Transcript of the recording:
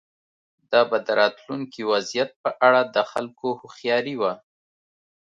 دا به د راتلونکي وضعیت په اړه د خلکو هوښیاري وه.